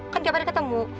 kan dia pada ketemu